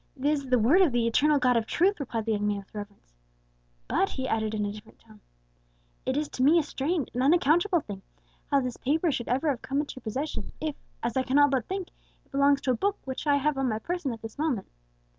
"This is the Word of the Eternal God of Truth," replied the young man with reverence. "But," he added in a different tone, "it is to me a strange, an unaccountable thing, how this paper should ever have come into your possession, if as I cannot but think it belongs to a book which I have on my person at this moment."